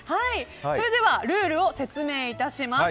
それではルールを説明いたします。